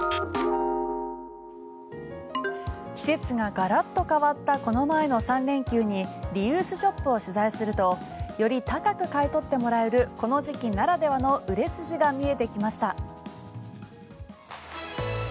季節がガラッと変わったこの前の３連休にリユースショップを取材するとより高く買い取ってもらえるこの時期ならではの売れ筋が見えてきました。